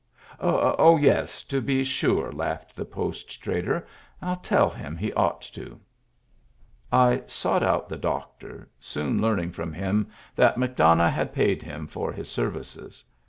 Oh; yes, to be sure!" laughed the post trader. " 111 tell him he ought to." I sought out the doctor, soon learning from him that McDonough had paid him for his serv ices.